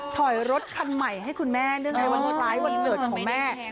ถอยรถคันใหม่ให้คุณแม่ด้วยในวันพลายวันเดิมของแม่